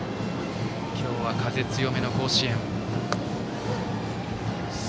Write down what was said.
今日は風強めの甲子園。